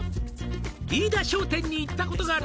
「飯田商店に行ったことがある」